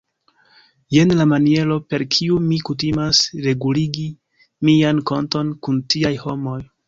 Jen la maniero, per kiu mi kutimas reguligi mian konton kun tiaj homoj!